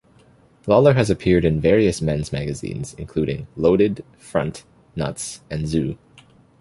Lawler has appeared in various men's magazines, including "Loaded", "Front", "Nuts" and "Zoo".